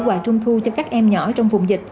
quà trung thu cho các em nhỏ trong vùng dịch